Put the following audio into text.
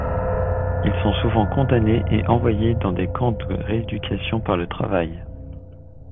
Ils sont souvent condamnés et envoyés dans des camps de rééducation par le travail.